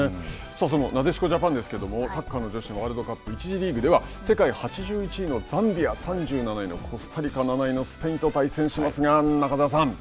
そのなでしこジャパンですけれども、サッカーの女子のワールドカップ、１次リーグでは世界８１位のザンビア３７位のコスタリカ７位のスペインと対戦しますが、中澤さん。